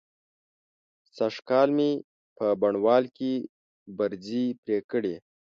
سږکال مې په بڼوال کې برځې پرې کړې.